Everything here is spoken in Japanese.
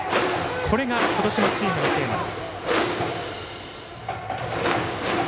これが今年のチームのテーマです。